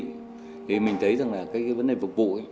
thì mình thấy rằng là cái vấn đề phục vụ ấy